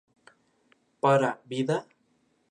Para “¿Vida?